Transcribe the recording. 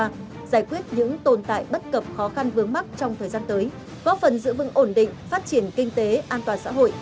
giải quyết những tồn tại bất cập khó khăn vướng mắt trong thời gian tới góp phần giữ vững ổn định phát triển kinh tế an toàn xã hội